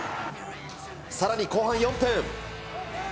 さらに後半４分。